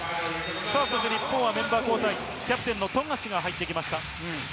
日本はメンバー交代、キャプテンの富樫が入ってきました。